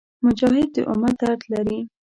مجاهد د امت درد لري.